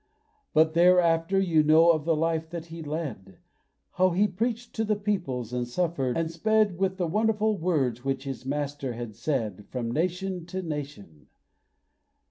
But, thereafter, you know of the life that he led How he preached to the peoples, and suffered, and sped With the wonderful words which his Master had said, From nation to nation.